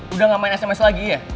udah gak main sms lagi ya